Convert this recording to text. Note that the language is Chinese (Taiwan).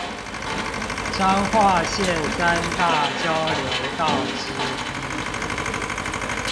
彰化縣三大交流道之一